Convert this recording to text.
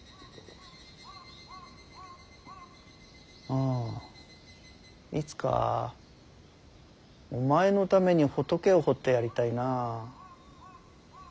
ああいつかお前のために仏を彫ってやりたいなあ。